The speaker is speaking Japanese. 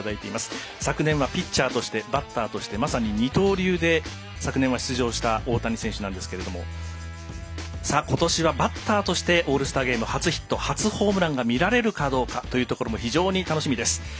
昨年はピッチャーとしてバッターとして、まさに二刀流で昨年は出場した大谷選手ですがことしはバッターとしてオールスターゲーム初ヒット初ホームランが見られるかも非常に楽しみです。